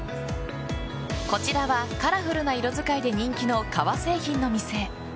こちらはカラフルな色使いで人気の革製品の店。